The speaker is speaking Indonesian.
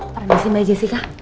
apa keren disini mba jessika